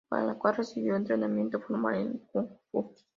Para la cual recibió entrenamiento formal en kung fu.